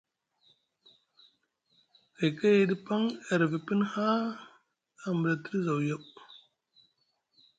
Gay kayayɗi paŋ e rivi pini haa a mula tiɗi zaw yaw.